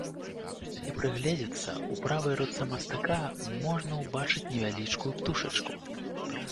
Калі прыгледзецца, у правай руцэ мастака можна ўбачыць невялічкую птушачку.